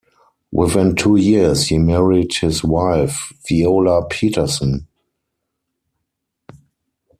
Within two years, he married his wife, Viola Peterson.